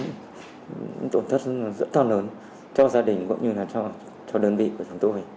những tổn thất rất to lớn cho gia đình cũng như là cho đơn vị của chúng tôi